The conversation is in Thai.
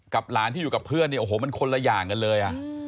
หลานที่อยู่กับเพื่อนเนี่ยโอ้โหมันคนละอย่างกันเลย